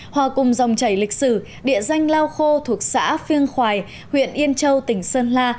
hòa cùng dòng chảy lịch sử địa danh lao khô thuộc xã phiêng khoài huyện yên châu tỉnh sơn la